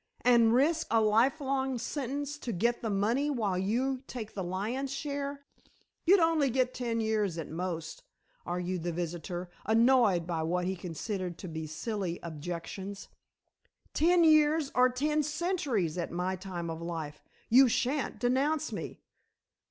"And risk a life long sentence to get the money while you take the lion's share." "You'd only get ten years at most," argued the visitor, annoyed by what he considered to be silly objections. "Ten years are ten centuries at my time of life. You shan't denounce me."